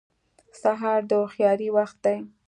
سهار د هوښیارۍ وخت دی.